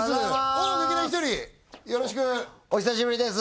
お劇団ひとりよろしくお久しぶりです